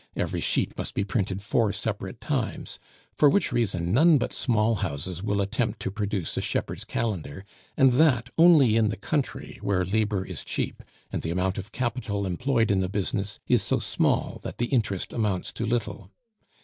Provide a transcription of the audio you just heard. Every sheet must be printed four separate times, for which reason none but small houses will attempt to produce a Shepherd's Calendar, and that only in the country where labor is cheap, and the amount of capital employed in the business is so small that the interest amounts to little.